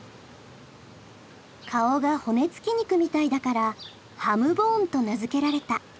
顔が骨付き肉みたいだからハムボーンと名付けられた。